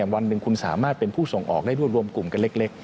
วันหนึ่งคุณสามารถเป็นผู้ส่งออกได้รวบรวมกลุ่มกันเล็ก